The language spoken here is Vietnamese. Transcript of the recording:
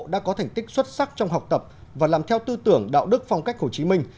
đã có thành tích xuất sắc trong học tập và làm theo tư tưởng đạo đức phong cách hồ chí minh